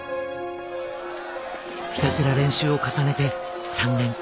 ひたすら練習を重ねて３年。